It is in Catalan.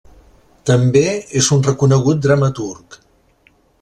També és un reconegut dramaturg.